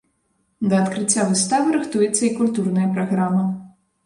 Да адкрыцця выставы рыхтуецца і культурная праграма.